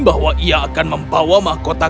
bahwa ia akan membawa mahkota